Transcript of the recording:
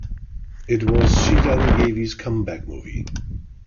It was Chiranjeevi's comeback movie.